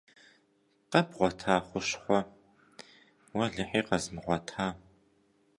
Къэбгъуэта хущхъуэ? - Уэлэхьи, къэзмыгъуэта!